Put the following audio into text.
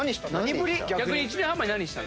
逆に１年半前何した？